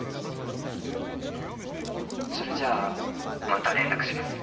それじゃまた連絡します。